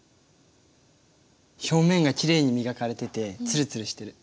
表面がきれいに磨かれててつるつるしてる。